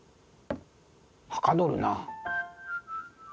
はかどるなあ。